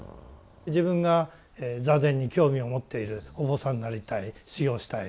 自分が座禅に興味を持っているお坊さんになりたい修行したい。